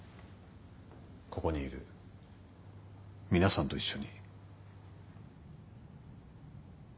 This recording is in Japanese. ここにいる皆さんと一緒に。